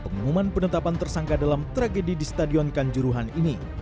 pengumuman penetapan tersangka dalam tragedi di stadion kanjuruhan ini